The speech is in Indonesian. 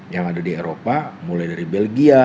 yang ada di eropa mulai dari belgia